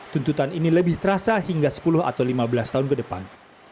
tuntutan ini lebih terasa hingga sepuluh atau lima belas tahun ke depan